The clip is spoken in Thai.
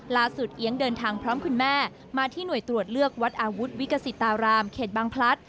เอี๊ยงเดินทางพร้อมคุณแม่มาที่หน่วยตรวจเลือกวัดอาวุธวิกษิตารามเขตบางพลัด